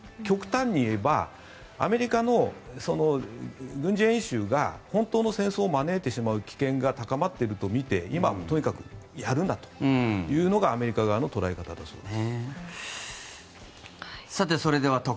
極端に言えばアメリカの軍事演習が本当の戦争を招いてしまう危険が高まっていると見て今はとにかくやるなというのがアメリカ側の捉え方だそうです。